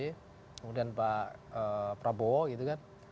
kemudian pak prabowo gitu kan